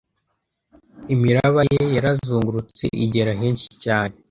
Imiraba ye yarazungurutse igera henshi cyane